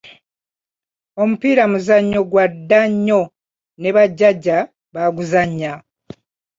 Omupiira muzannyo gwa dda nnyo ne bajjajja baaguzannya.